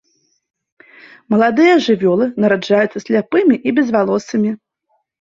Маладыя жывёлы нараджаюцца сляпымі і безвалосымі.